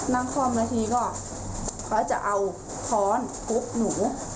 นั่งค้อเมื่อทีก็เขาจะเอาค้อนพบหนู